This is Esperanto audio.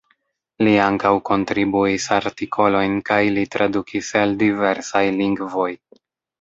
Li ankaŭ kontribuis artikolojn kaj li tradukis el diversaj lingvoj.